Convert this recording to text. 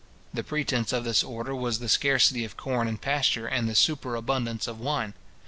The pretence of this order was the scarcity of corn and pasture, and the superabundance of wine.